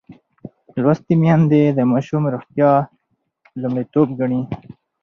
لوستې میندې د ماشوم روغتیا لومړیتوب ګڼي.